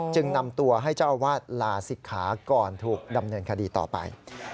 จึงนำตัวให้เจ้าอาวาสลาศิกขาก่อนถูกดำเนินคดีต่อไป